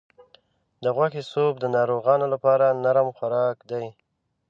د غوښې سوپ د ناروغانو لپاره نرم خوراک دی.